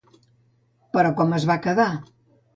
Però, com es va quedar?